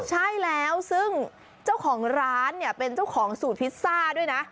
ใช่แล้วซึ่งเจ้าของร้านเนี่ยเป็นเจ้าของสูตรพิซซ่าด้วยนะ